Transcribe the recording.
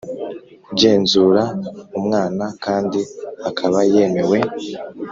ugenzura umwana kandi akaba yemewe